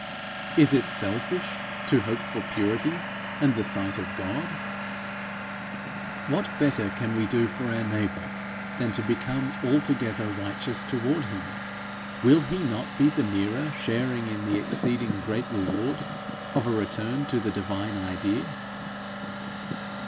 Is it selfish to hope for purity and the sight of God? What better can we do for our neighbour than to become altogether righteous toward him? Will he not be the nearer sharing in the exceeding great reward of a return to the divine idea?